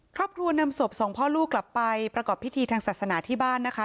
ครอบครัวนำศพสองพ่อลูกกลับไปประกอบพิธีทางศาสนาที่บ้านนะคะ